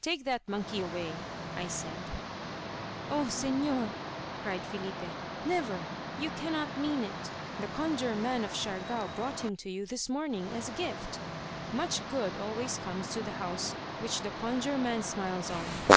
"Take that monkey away," I said. "Oh Señor," cried Filipe. "Never! You cannot mean it. The Conjure man of Siargao brought him to you this morning, as a gift. Much good always comes to the house which the Conjure man smiles on."